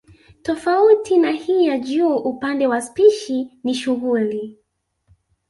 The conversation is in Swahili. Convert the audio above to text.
Tofauti na hii ya juu upande wa spishi ni shughuli